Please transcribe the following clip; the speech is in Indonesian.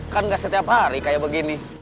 kan gak setiap hari kayak begini